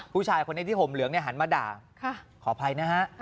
ผู้ชายคนนี้ที่ห่มเหลืองหันมาด่าขออภัยนะฮะ